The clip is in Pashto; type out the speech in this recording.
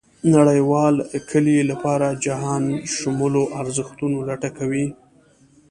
نړېوال کلي لپاره جهانشمولو ارزښتونو لټه کوي.